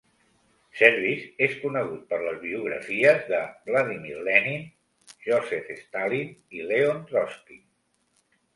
Service és conegut per les biografies de Vladimir Lenin, Joseph Stalin i Leon Trotsky.